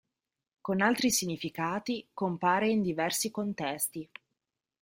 Con altri significati compare in diversi contesti.